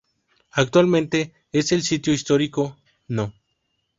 Actualmente es el sitio histórico No.